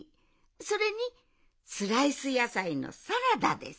それにスライスやさいのサラダです。